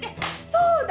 そうだ！